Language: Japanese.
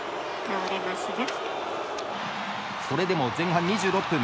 それでも前半２６分。